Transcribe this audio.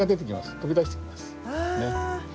飛び出してきます。